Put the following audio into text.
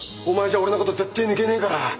お前じゃ俺のこと絶対抜けねえから！